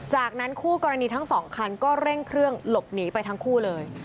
จากนั้นคู่กรณีทั้งสองคันก็เร่งเครื่องหลบหนีไปทั้งคู่เลย